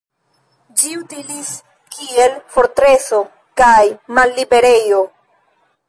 Ĝi utilis kiel fortreso kaj malliberejo.